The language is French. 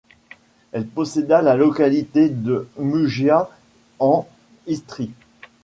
Elle posséda la localité de Muggia en Istrie.